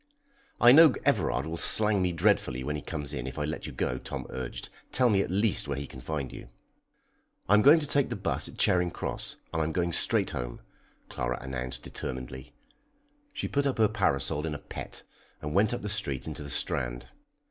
"I know Everard will slang me dreadfully when he comes in if I let you go," Tom urged. "Tell me at least where he can find you." "I am going to take the 'bus at Charing Cross, and I'm going straight home," Clara announced determinedly. She put up her parasol in a pet, and went up the street into the Strand.